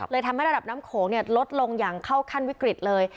ทำให้ระดับน้ำโขงลดลงอย่างเข้าขั้นวิกฤตเลย